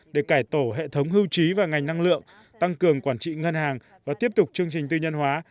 để cải tổ hệ thống hưu trí và ngành năng lượng tăng cường quản trị ngân hàng và tiếp tục chương trình tư nhân hóa